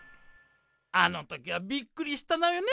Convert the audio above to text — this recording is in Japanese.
あの時はびっくりしたのよね